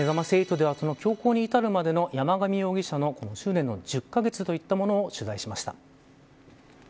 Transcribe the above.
凶行に至るまでの山上容疑者の執念の１０カ月といったものを取材しました。